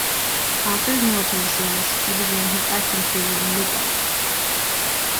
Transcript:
After his military service, he began his acting career in mid-life.